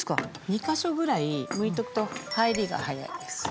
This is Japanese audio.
２カ所ぐらいむいておくと入りが早いです。